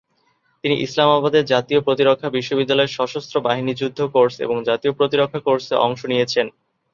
তিনি ইসলামাবাদের জাতীয় প্রতিরক্ষা বিশ্ববিদ্যালয়ে সশস্ত্র বাহিনী যুদ্ধ কোর্স এবং জাতীয় প্রতিরক্ষা কোর্সে অংশ নিয়েছেন।